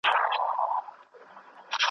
نه مو غوښي پخوي څوک په ځولیو .